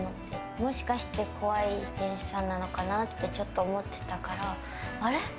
もしかして怖い店主さんなのかなってちょっと思ってたからあれ？